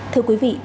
thưa quý vị